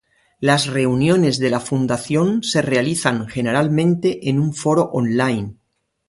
Las reuniones de la Fundación se realizan generalmente en un foro online.